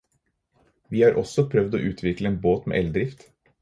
Vi har også prøvd å utvikle en båt med eldrift.